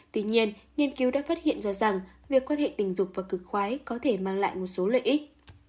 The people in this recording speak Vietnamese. tuy nhiên nghiên cứu đã phát hiện ra rằng việc quan hệ tình dục và cực khoái có thể mang lại một số lợi ích